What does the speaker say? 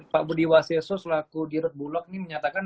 pak budi wasyoso selaku di red bull lock ini menyatakan